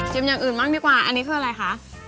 อย่างอื่นบ้างดีกว่าอันนี้คืออะไรคะ